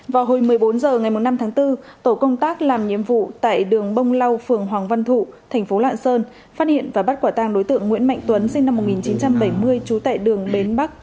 vào hồi một mươi bốn h ngày năm tháng bốn tổ công tác làm nhiệm vụ tại đường bông lau phường hoàng văn thụ thành phố lạng sơn phát hiện và bắt quả tàng đối tượng nguyễn mạnh tuấn sinh năm một nghìn chín trăm bảy mươi trú tại đường bến bắc